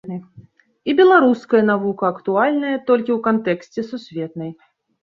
І беларуская навука актуальная толькі ў кантэксце сусветнай.